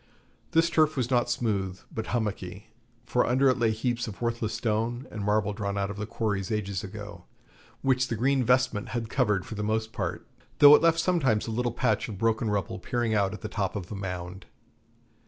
This turf was not smooth, but hummocky, for under it lay heaps of worthless stone and marble drawn out of the quarries ages ago, which the green vestment had covered for the most part, though it left sometimes a little patch of broken rubble peering out at the top of a mound.